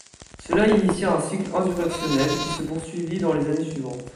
Cela initia un cycle insurrectionnel qui se poursuivit dans les années suivantes.